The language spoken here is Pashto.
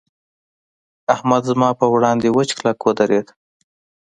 احمد زما پر وړاند وچ کلک ودرېد.